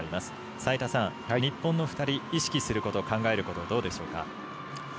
齋田さん、日本の２人意識すること、考えることどんなところですか。